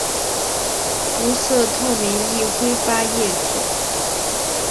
无色透明易挥发液体。